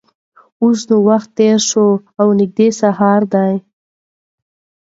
اوس نو وخت تېر شوی او نږدې سهار دی.